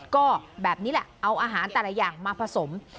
ก็แบบนี้แหละเอาอาหารแต่ละอย่างมาผสม